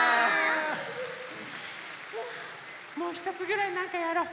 もうひとつぐらいなんかやろう。